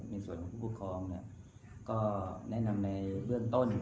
ในส่วนของผู้ครองก็แนะนำในเบื้องต้น